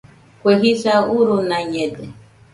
Kue jisa urunaiñede